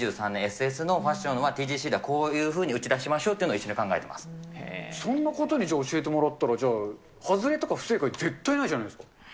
ＳＳのファッションは、ＴＧＣではこういうふうに打ち出しましょうというのを、うちで考そんな方に教えてもらったら、じゃあ、外れとか不正解、絶対にないじゃないですか。